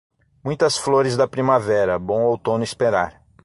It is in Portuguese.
Muitas flores da primavera, bom outono esperar.